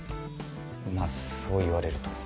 まぁそう言われると。